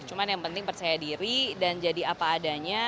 cuman yang penting percaya diri dan jadi apa adanya